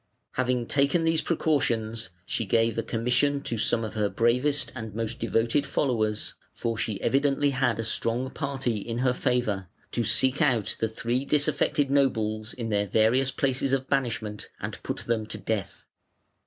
Having taken these precautions, she gave a commission to some of her bravest and most devoted followers (for she evidently had a strong party in her favour) to seek out the three disaffected nobles in their various places of banishment and put them to death.